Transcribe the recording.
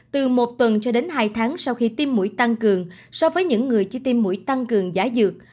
từ một tuần cho đến hai tháng sau khi tiêm mũi tăng cường so với những người chi tiêm mũi tăng cường giả dược